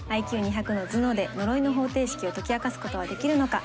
ＩＱ２００の頭脳で呪いの方程式を解き明かすことはできるのか？